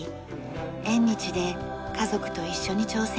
縁日で家族と一緒に挑戦しました。